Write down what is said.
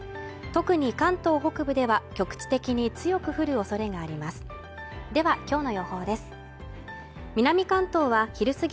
特に関東北部では局地的に強く降る恐れがあります